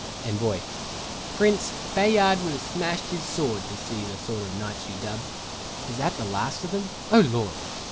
ENVOI Prince, Bayard would have smashed his sword To see the sort of knights you dub Is that the last of them O Lord!